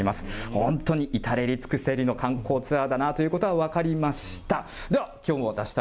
本当に至れり尽くせりの観光ツアーだなということは分かりました。